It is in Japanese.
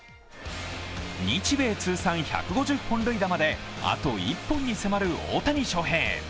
日米通算１５０本塁打まであと１本に迫る大谷翔平。